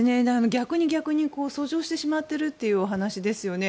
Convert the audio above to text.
逆に逆に遡上してしまっているというお話ですよね。